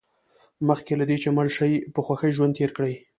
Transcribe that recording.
مخکې له دې چې مړ شئ په خوښۍ ژوند تېر کړئ.